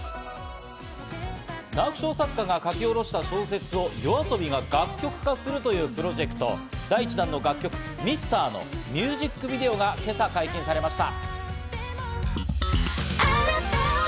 直木賞作家が書き下ろした小説をＹＯＡＳＯＢＩが楽曲化するというプロジェクト第１弾の楽曲『ミスター』のミュージックビデオが今朝解禁されました。